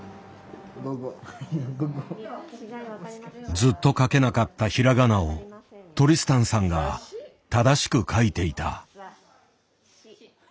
ずっと書けなかったひらがなをトリスタンさんが正しく書いていた。